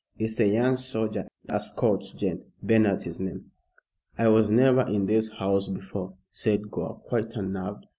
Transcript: "It's the young soldier as courts Jane. Bernard's his name." "I was never in this house before," said Gore, quite unnerved.